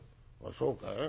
「そうかい。